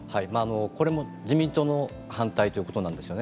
これも自民党の反対ということなんですね。